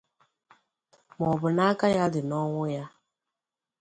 maọbụ nà aka ya dị n'ọnwụ ya